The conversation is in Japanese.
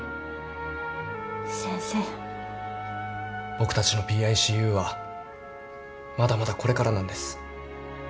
僕たちのＰＩＣＵはまだまだこれからなんです。